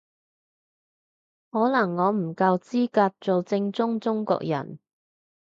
可能我唔夠資格做正宗中國人